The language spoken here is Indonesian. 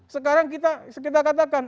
sekarang kita kita katakan